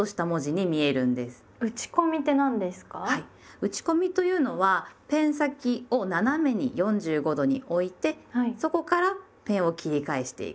打ち込みというのはペン先を斜めに４５度に置いてそこからペンを切り返していく。